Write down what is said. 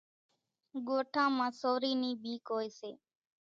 ڳوٺان مان سورِي نِي ٻيڪ هوئيَ سي۔